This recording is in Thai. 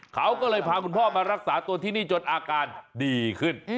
เขาก็เลยพาคุณพ่อมารักษาตัวที่นี่จนอาการดีขึ้น